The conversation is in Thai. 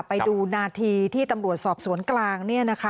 ไปดูนาธิที่ตำรวจสอบสวนกลาง